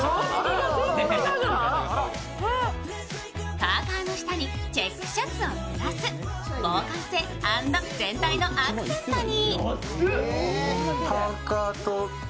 パーカーの下にチェックシャツをプラス防寒性＆全体のアクセントに。